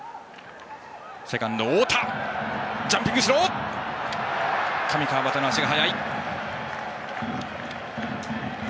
セカンドの太田ジャンピングスローしたが上川畑の足が速い。